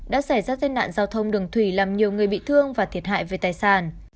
đã xảy ra tai nạn giao thông đường thủy làm nhiều người bị thương và thiệt hại về tài sản